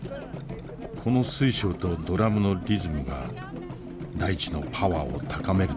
この水晶とドラムのリズムが大地のパワーを高めるという。